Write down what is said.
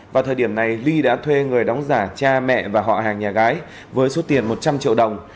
vào thời điểm này ly đã thuê người đóng giả cha mẹ và họ hàng nhà gái với số tiền một trăm linh triệu đồng